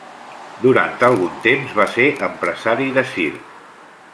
Durant algun temps va ser empresari de circ.